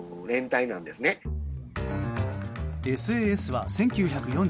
ＳＡＳは１９４１年